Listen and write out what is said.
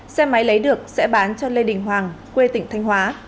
xe máy lấy được sẽ bán cho lê đình hoàng quê tỉnh thanh hóa